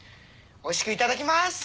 おいしくいただきます！